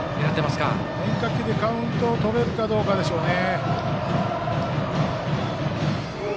変化球でカウントをとれるかどうかでしょうね。